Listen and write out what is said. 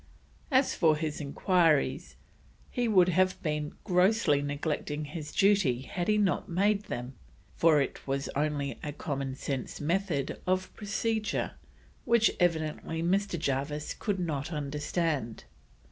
As for his enquiries, he would have been grossly neglecting his duty had he not made them, for it was only a commonsense method of procedure, which evidently Mr. Jarvis could not understand.